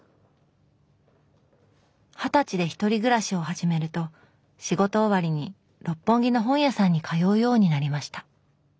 二十歳で１人暮らしを始めると仕事終わりに六本木の本屋さんに通うようになりました